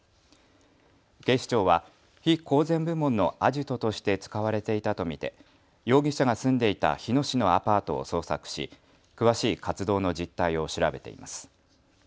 警視庁は非公然部門のアジトとして使われていたと見て容疑者が住んでいた日野市のアパートを捜索し詳しい活動の実態を調べています。